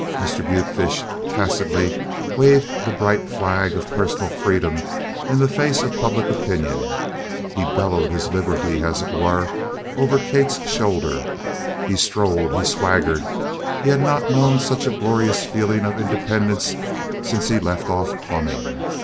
Mr. Butefish tacitly waved the bright flag of personal freedom in the face of Public Opinion. He bellowed his liberty, as it were, over Kate's shoulder. He strode, he swaggered he had not known such a glorious feeling of independence since he left off plumbing.